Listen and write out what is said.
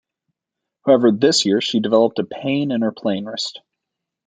However, this year she developed a pain in her playing wrist.